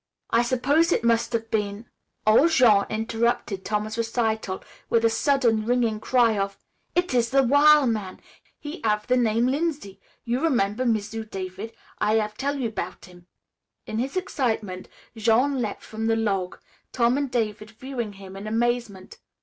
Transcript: I suppose it must have been " Old Jean interrupted Tom's recital with a sudden ringing cry of, "It is the wil' man! He hav' the name Lindsey. You remember, M'sieu' David, I hav' tell you 'bout him!" In his excitement Jean leaped from the log, Tom and David viewing him in amazement.